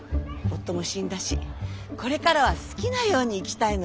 夫も死んだしこれからは好きなように生きたいのよ。